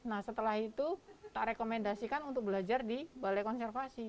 nah setelah itu kita rekomendasikan untuk belajar di balai konservasi